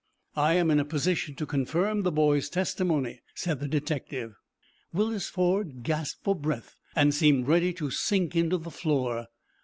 "I am in a position to confirm the boy's testimony," said the detective. Willis Ford gasped for breath and seemed ready to sink into the floor.